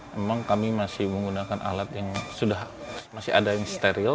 memang kami masih menggunakan alat yang sudah masih ada yang steril